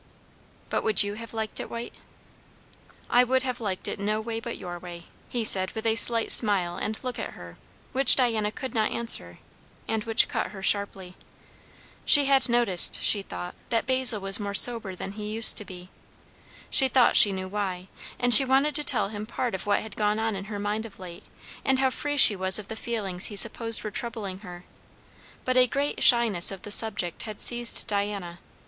"But would you have liked it white?" "I would have liked it no way but your way," he said with a slight smile and look at her, which Diana could not answer, and which cut her sharply. She had noticed, she thought, that Basil was more sober than he used to be. She thought she knew why; and she wanted to tell him part of what had gone on in her mind of late, and how free she was of the feelings he supposed were troubling her; but a great shyness of the subject had seized Diana.